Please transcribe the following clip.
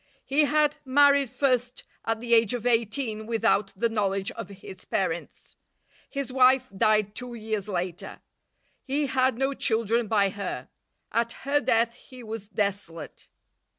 He had married first at the age of eighteen without the knowledge of his parents. His wife died two years later. He had no children by her. At her death he was desolate.